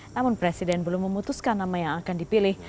namun presiden belum memutuskan nama yang akan dipilih